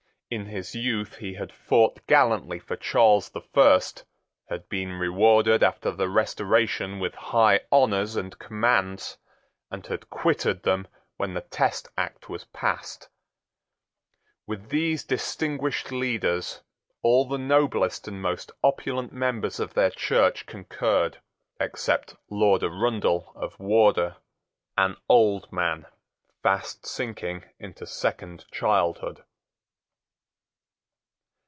In his youth he had fought gallantly for Charles the First, had been rewarded after the Restoration with high honours and commands, and had quitted them when the Test Act was passed. With these distinguished leaders all the noblest and most opulent members of their church concurred, except Lord Arundell of Wardour, an old man fast sinking into second childhood.